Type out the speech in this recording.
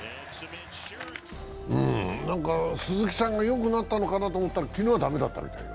鈴木さんがよくなったのかなと思ったら昨日は駄目だったみたい。